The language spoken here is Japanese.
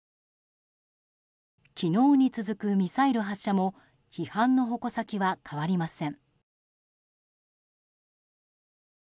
昨日に続くミサイル発射も批判の矛先は変わりません。